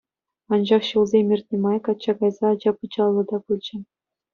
Анчах ҫулсем иртнӗ май качча кайса ача-пӑчаллӑ та пулчӗ.